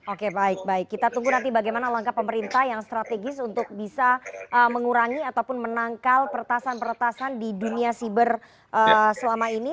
oke baik baik kita tunggu nanti bagaimana langkah pemerintah yang strategis untuk bisa mengurangi ataupun menangkal peretasan peretasan di dunia siber selama ini